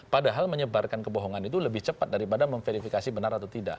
padahal menyebarkan kebohongan itu lebih cepat daripada memverifikasi benar atau tidak